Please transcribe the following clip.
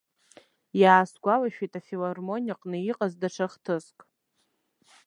Иаасгәалашәеит афилармониаҟны иҟаз даҽа хҭыск.